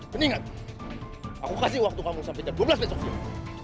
mendingan aku kasih waktu kamu sampai jam dua belas besok siang